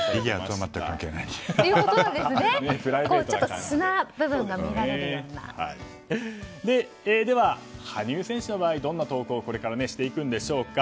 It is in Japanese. ちょっと素の部分がでは、羽生選手の場合はどんな投稿をこれからしていくんでしょうか。